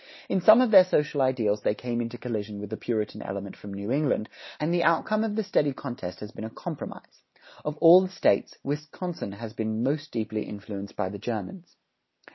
In some of their social ideals they came into collision with the Puritan element from New England, and the outcome of the steady contest has been a compromise. Of all the States, Wisconsin has been most deeply influenced by the Germans.